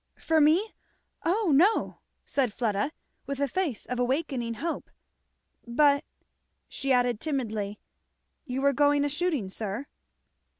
"For me? oh no!" said Fleda with a face of awakening hope; "but," she added timidly, "you were going a shooting, sir?"